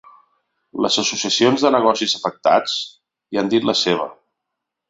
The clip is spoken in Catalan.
Les associacions de negocis afectats hi han dit la seva.